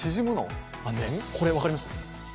これ分かります？